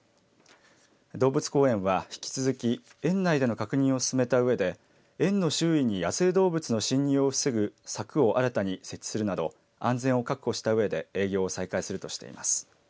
動物公園は引き続き園内での確認を進めたうえで園の周囲に野生動物の侵入を防ぐ柵を新たに設置するなど安全を確保した上で営業を再開するとしています。